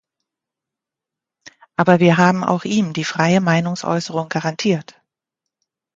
Aber wir haben auch ihm die freie Meinungsäußerung garantiert.